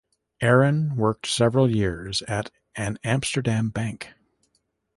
Arron worked several years at an Amsterdam bank.